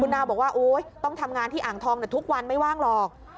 นาวบอกว่าโอ๊ยต้องทำงานที่อ่างทองทุกวันไม่ว่างหรอก